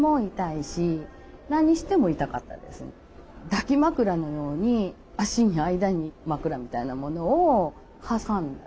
抱き枕のように脚の間に枕みたいなものを挟んだ。